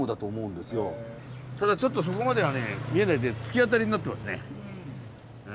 ただちょっとそこまではね見えないで突き当たりになってますね。